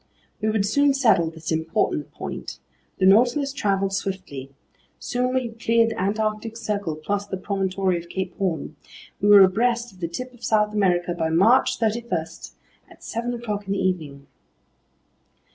We would soon settle this important point. The Nautilus traveled swiftly. Soon we had cleared the Antarctic Circle plus the promontory of Cape Horn. We were abreast of the tip of South America by March 31 at seven o'clock in the evening.